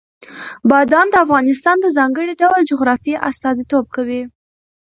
بادام د افغانستان د ځانګړي ډول جغرافیه استازیتوب کوي.